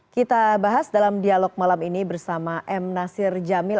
kita bahas dalam dialog malam ini bersama m nasir jamil